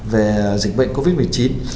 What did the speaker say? về dịch bệnh covid một mươi chín